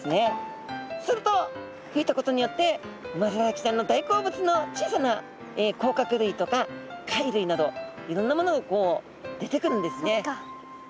すると吹いたことによってウマヅラハギちゃんの大好物の小さな甲殻類とか貝類などいろんなものが出てくるんですね。